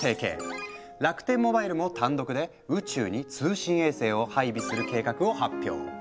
楽天モバイルも単独で宇宙に通信衛星を配備する計画を発表。